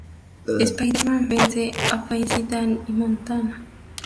Spider-Man vence a Fancy Dan y Montana.